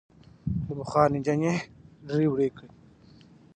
د بخار انجن یې دړې وړې کړ.